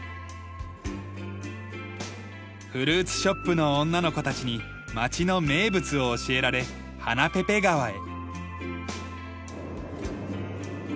フルーツショップの女の子たちに町の名物を教えられハナペペ川へ。